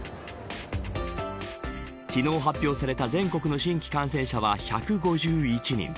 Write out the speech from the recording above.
昨日、発表された全国の新規感染者は１５１人。